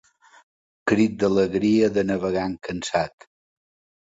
Crit d'alegria de navegant cansat.